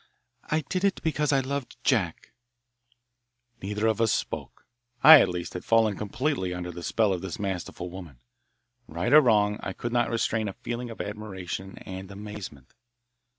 "I did it because I loved Jack." Neither of us spoke. I, at least, had fallen completely under the spell of this masterful woman. Right or wrong, I could not restrain a feeling of admiration and amazement.